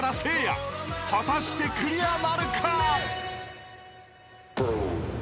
［果たしてクリアなるか！？］